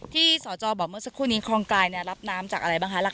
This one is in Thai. ที่สจบอกเมื่อสักครู่นี้คลองกลายรับน้ำจากอะไรบ้างคะ